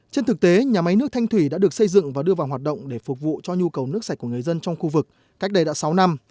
trên thực tế nhà máy nước thanh thủy đã được xây dựng và đưa vào hoạt động để phục vụ cho nhu cầu nước sạch của người dân trong khu vực cách đây đã sáu năm